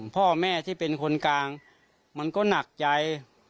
พ่อแม่ที่เป็นคนกลางมันก็หนักใจ